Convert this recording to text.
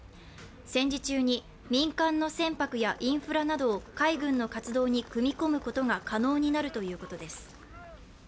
戦時中に民間の船舶やインフラなどを海軍の活動に組み込むことが可能になるということです。